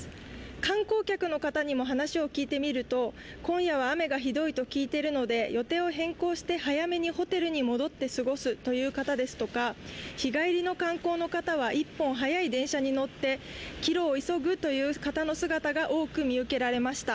観光客の方にも話を聞いてみると、今夜は雨がひどいと聞いているので予定を変更して早めにホテルに戻って過ごすという方ですとか、日帰りの観光の方は１本早い電車に乗って岐路を急ぐという方の姿が多く見られました。